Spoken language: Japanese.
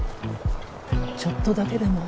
ちょっとだけでも。